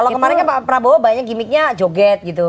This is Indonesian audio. kalau kemarin pak prabowo banyak gimmicknya joget gitu